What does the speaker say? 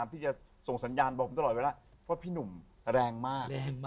เพราะพี่หนุ่มแรงมาก